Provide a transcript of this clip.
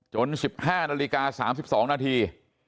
๑๕นาฬิกา๓๒นาที